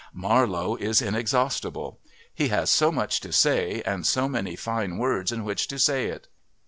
Marlowe is inexhaustible. He has so much to say and so many fine words in which to say it.